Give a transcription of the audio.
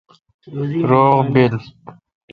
روغ بیل